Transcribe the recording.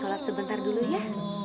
salat sebentar dulu ya